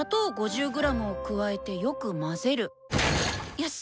よし！